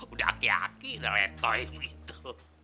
udah aki aki udah letoring gitu